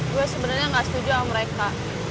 gue sebenarnya gak setuju sama mereka